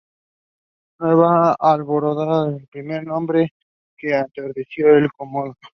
Nueva Alborada fue el primer nombre que antecedió al de Comodoro.